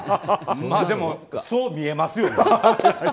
でも、そう見えますよ。